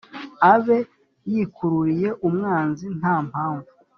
abe yikururiye umwanzi nta mpamvu,